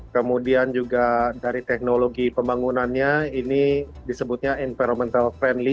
kemudian juga dari teknologi pembangunannya ini disebutnya environmental friendly